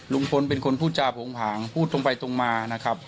ลุงพลเป็นคนพูดจาโผงผางพูดตรงไปตรงมานะครับ